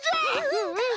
うんうん。